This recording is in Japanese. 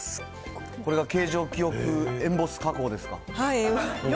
これが形状記憶エンボス加工ですか。